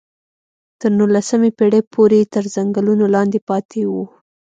تر نولسمې پېړۍ پورې تر ځنګلونو لاندې پاتې وو.